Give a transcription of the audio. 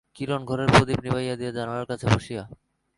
কিরণ ঘরের প্রদীপ নিবাইয়া দিয়া জানলার কাছে বসিয়া।